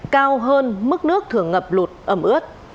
cao hơn mức nước thường ngập lụt ấm ướt